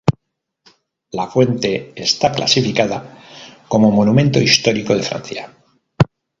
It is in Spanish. La fuente está clasificada como Monumento histórico de Francia